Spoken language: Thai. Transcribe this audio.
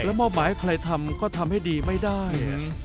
แล้วมอบหมายให้ใครทำก็ทำให้ดีไม่ได้